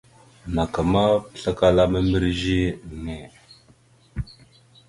Naka ma, pəslakala membirez a ne.